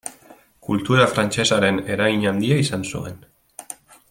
Kultura frantsesaren eragin handia izan zuen.